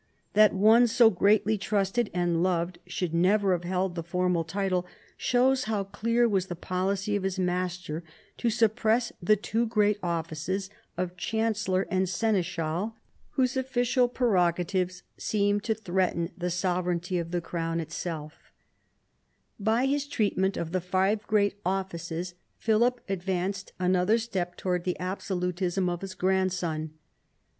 That one so greatly trusted and loved should never have held the formal title shows how clear was the policy of his master to suppress the two great offices of chancellor and seneschal, whose official prerogatives seemed to threaten the sovereignty of the crown itself, K 130 PHILIP AUGUSTUS chap. By his treatment of the five great offices Philip advanced another step towards the absolutism of his grandson.